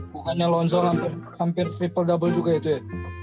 bukannya lonzo hampir triple double juga itu ya